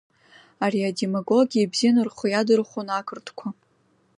Ари адемагогиа ибзианы рхы иадырхәон ақырҭқәа…